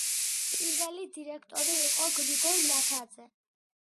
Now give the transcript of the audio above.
პირველი დირექტორი იყო გრიგოლ ნათაძე.